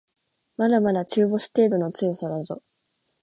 まだまだ中ボス程度の強さだぞ